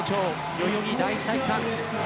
代々木第一体育館。